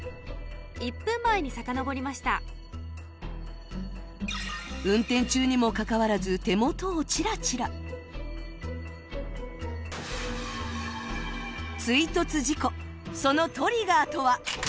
１分前にさかのぼりました運転中にもかかわらず手元をチラチラ追突事故そのトリガーとは？